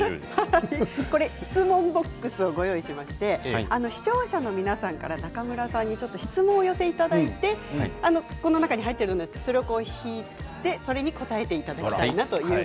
質問ＢＯＸをご用意して視聴者の皆さんから中村さんに質問を寄せていただいてこの中に入っているのでそれを引いて答えていただく。